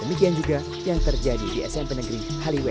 demikian juga yang terjadi di smp negeri haliwe